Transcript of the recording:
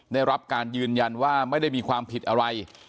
ได้รับการยืนยันว่าไม่ได้มีความผิดอะไร